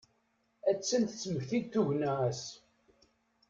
A-tt-an tettmekti-d tugna-as.